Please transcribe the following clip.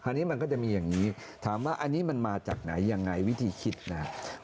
อันนี้มันก็จะมีอย่างนี้ถามว่าอันนี้มันมาจากไหนยังไงวิธีคิดนะ